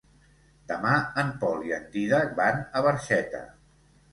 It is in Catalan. Demà en Pol i en Dídac van a Barxeta.